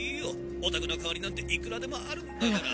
おたくの代わりなんていくらでもあるんだから。